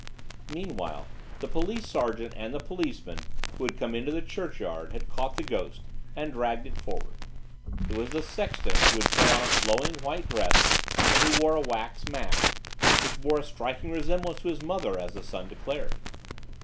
Meanwhile, the police sergeant and the policeman, who had come into the churchyard, had caught the ghost, and dragged it forward. It was the sexton, who had put on a flowing, white dress, and who wore a wax mask, which bore striking resemblance to his mother, as the son declared.